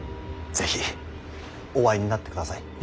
是非お会いになってください。